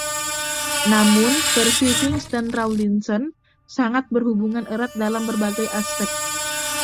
Namun versi Hincks dan Rawlinson sangat berhubungan erat dalam berbagai aspek.